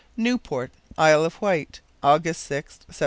Newport, Isle of Wight, August 6th, 1740.